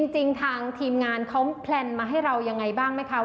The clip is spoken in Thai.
จริงทางทีมงานเขาแพลนมาให้เรายังไงบ้างไหมคะ